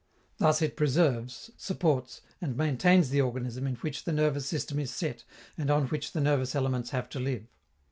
Thus it preserves, supports, and maintains the organism in which the nervous system is set and on which the nervous elements have to live.